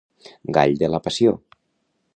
Gall de la passió.